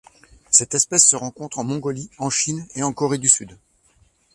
Cette espèce se rencontre en Mongolie, en Chine et en Corée du Sud.